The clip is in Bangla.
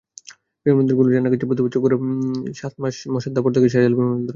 বিমানবন্দর ঘুরে জানা গেছে, প্রতিবছর গড়ে সাত মাস মশার দাপট থাকে শাহজালাল বিমানবন্দরে।